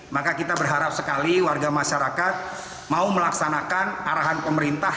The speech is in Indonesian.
maka kita berharap sekali warga masyarakat mau melaksanakan arahan pemerintah